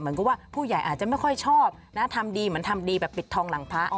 เหมือนกับว่าผู้ใหญ่อาจจะไม่ค่อยชอบนะทำดีเหมือนทำดีแบบปิดทองหลังพระ